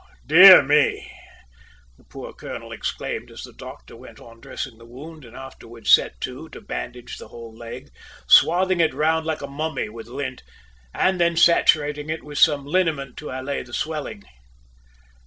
"Oh! dear me!" the poor colonel exclaimed as the doctor went on dressing the wound and afterwards set to to bandage the whole leg, swathing it round like a mummy with lint, and then saturating it with some liniment to allay the swelling.